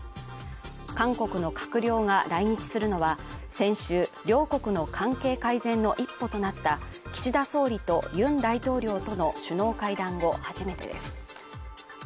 韓国の閣僚が来日するのは先週、両国の関係改善の一歩となった岸田総理とユン大統領との首脳会談後、初めてです。